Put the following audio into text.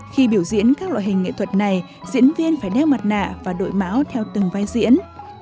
khi biểu diễn các loại hình nghệ thuật này diễn viên phải đeo mặt nạ và đội mão theo từng vai diễn